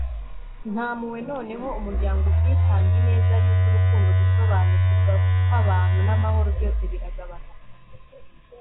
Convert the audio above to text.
nta mpuhwe, noneho umuryango, ubwitange, ineza yuje urukundo, gusobanukirwa kwabantu, namahoro byose biragabanuka